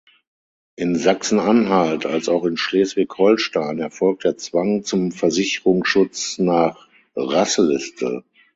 In Sachsen-Anhalt als auch in Schleswig-Holstein erfolgt der Zwang zum Versicherungsschutz nach Rasseliste.